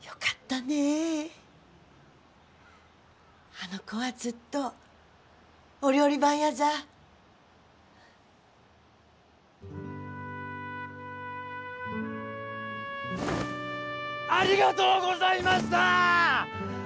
あの子はずっとお料理番やざありがとうございました！